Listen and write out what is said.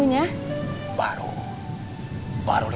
udah apa apa ya